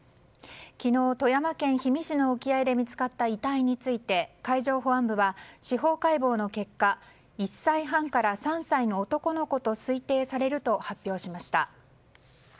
昨日、富山県氷見市の沖合で見つかった遺体について海上保安部は司法解剖の結果１歳半から３歳の男の子と推定されると発表しました。